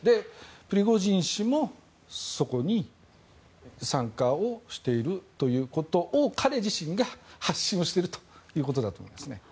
プリゴジン氏もそこに参加をしているということを彼自身が発信をしているということだと思いますね。